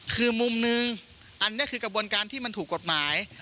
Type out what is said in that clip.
คือมุมนึงอันนี้คือกระบวนการที่มันถูกกฎหมาย